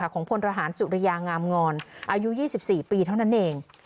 ของพลทหารสุริยางามงอนอายุ๒๔ปีเท่านั้นเอง